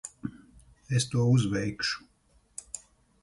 Es to uzveikšu.